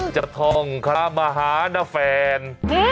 จากท่องขามาหานาแฟน